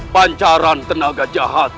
pancaran tenaga jarak